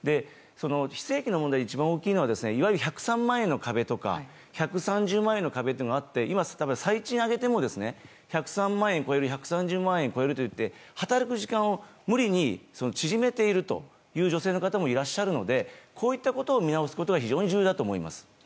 非正規の問題一番大きいのはいわゆる１０３万の壁とか１３０万の壁があって今、最賃を上げても１０３万円を超える１３０万円を超えるといって働く時間を、無理に縮めているという女性の方もいらっしゃるのでこういったことを見直すことは非常に重要だと思います。